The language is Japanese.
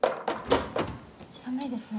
寒いですね。